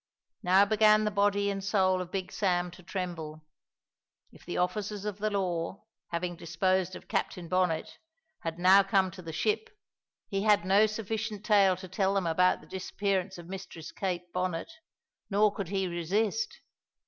Now began the body and soul of Big Sam to tremble. If the officers of the law, having disposed of Captain Bonnet, had now come to the ship, he had no sufficient tale to tell them about the disappearance of Mistress Kate Bonnet; nor could he resist.